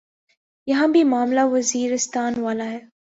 یہاں بھی معاملہ وزیرستان والا ہے۔